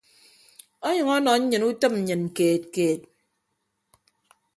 Onyʌñ ọnọ nnyịn utịp nnyịn keed keed.